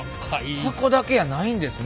箱だけやないんですね。